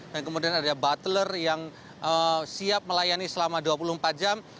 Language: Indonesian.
dan kemudian ada butler yang siap melayani selama dua puluh empat jam